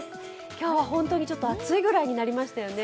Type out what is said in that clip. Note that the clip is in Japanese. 今日は本当に暑いくらいになりましたよね。